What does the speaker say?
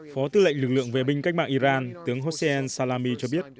phó tư lệnh lực lượng về binh cách mạng iran tướng hossein salami cho biết